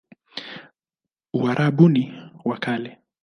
Uarabuni wa Kale